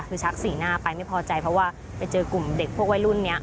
คือชักสีหน้าไปไม่พอใจเพราะว่าไปเจอกลุ่มเด็กพวกวัยรุ่นนี้